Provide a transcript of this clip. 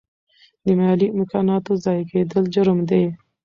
د مالي امکاناتو ضایع کیدل جرم دی.